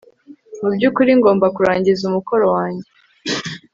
Mu byukuri ngomba kurangiza umukoro wanjye